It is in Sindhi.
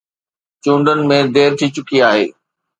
چونڊن ۾ دير ٿي چڪي آهي.